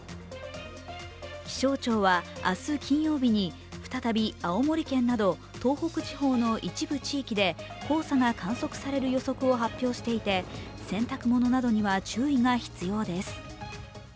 気象庁は、明日金曜日に再び青森県など東北地方の一部地域で黄砂が観測される予測を発表していて、洗濯物などには注意が必要です。